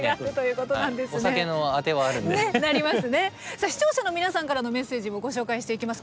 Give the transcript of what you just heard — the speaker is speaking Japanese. さあ視聴者の皆さんからのメッセージもご紹介していきます。